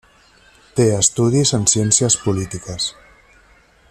Té estudis en ciències polítiques.